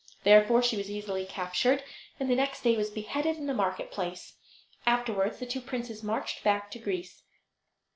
Therefore she was easily captured, and the next day was beheaded in the market place. Afterwards the two princes marched back to Greece.